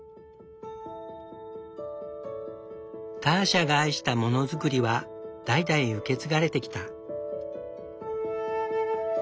ターシャが愛したものづくりは代々受け継がれてきた。